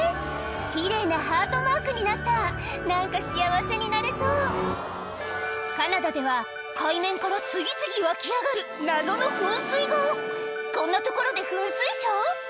キレイなハートマークになった何か幸せになれそうカナダでは海面から次々湧き上がる謎の噴水がこんな所で噴水ショー？